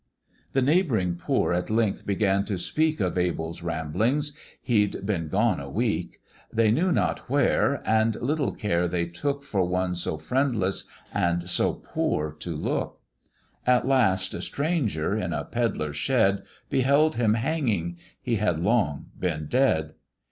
The neighb'ring poor at length began to speak Of Abel's ramblings he'd been gone a week; They knew not where, and little care they took For one so friendless and so poor to look. At last a stranger, in a pedlar's shed, Beheld him hanging he had long been dead.